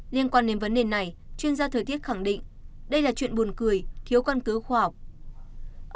liên quan đến vấn đề này chuyên gia thời tiết khẳng định đây là chuyện buồn cười thiếu căn cứ khoa học